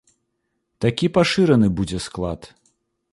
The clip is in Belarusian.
Такі пашыраны будзе склад.